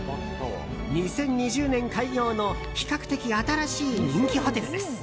２０２０年開業の比較的新しい人気ホテルです。